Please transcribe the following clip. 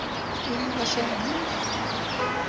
Turiḍ-as i ɛemmi-k?